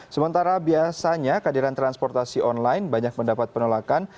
sementara biasanya kehadiran transportasi online banyak mendapat penolakan